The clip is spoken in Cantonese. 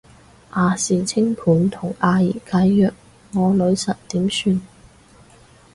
亞視清盤同阿儀解約，我女神點算